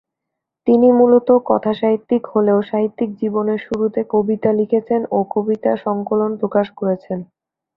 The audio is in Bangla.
তিনি মূলত কথাসাহিত্যিক হলেও সাহিত্যিক জীবনের শুরুতে কবিতা লিখেছেন ও একটি কবিতা সংকলন প্রকাশ করেছেন।